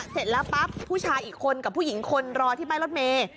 เสร็จแล้วปั๊บผู้ชายอีกคนกับผู้หญิงคนรอที่ป้ายรถเมย์